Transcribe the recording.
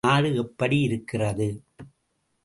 நாடு எப்படி இருக்கிறது?